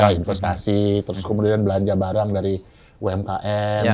investasi terus kemudian belanja barang dari umkm